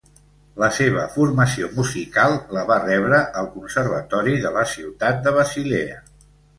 La seva formació musical la va rebre al Conservatori de la ciutat de Basilea.